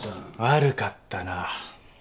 悪かったな。